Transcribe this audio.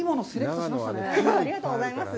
ありがとうございます。